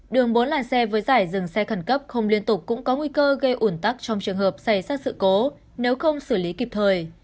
đường bốn làn xe với giải dừng xe khẩn cấp không liên tục cũng có nguy cơ gây ủn tắc trong trường hợp xảy ra sự cố nếu không xử lý kịp thời